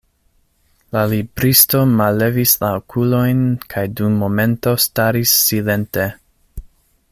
La libristo mallevis la okulojn kaj dum momento staris silente.